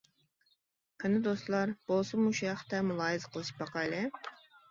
قېنى دوستلار بولسا مۇشۇ ھەقتە مۇلاھىزە قىلىشىپ باقايلى.